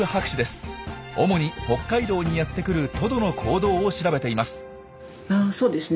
主に北海道にやって来るトドの行動を調べています。